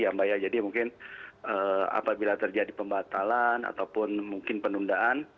yang bahaya jadi mungkin apabila terjadi pembatalan ataupun mungkin penundaan